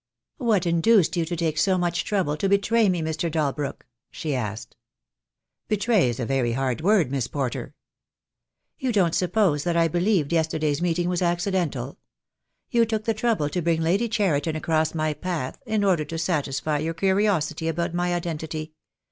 "What induced you to take so much trouble to betray me, Mr. Dalbrook?" she asked. "Betray is a very hard word, Miss Porter." "You don't suppose that I believed yesterday's meet ing was accidental? You took the trouble to bring Lady Cheriton across my path in order to satisfy your curiosity about my identity.